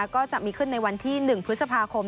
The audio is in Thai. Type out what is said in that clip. ก็จะมีขึ้นในวันที่๑พฤษภาคม